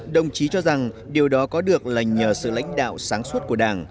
đồng chí cho rằng điều đó có được là nhờ sự lãnh đạo sáng suốt của đảng